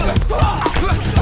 baik baik aja sih